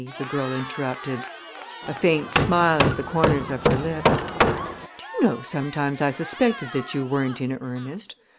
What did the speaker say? the girl interrupted, a faint smile at the corners of her lips. "Do you know, sometimes I suspected that you weren't in earnest!